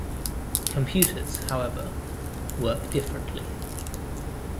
Computers, however, work differently.